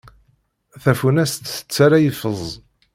Tafunast tettarra ifeẓ.